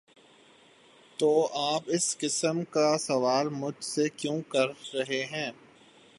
‘‘''تو آپ اس قسم کا سوال مجھ سے کیوں کر رہے ہیں؟